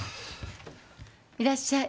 いらっしゃい。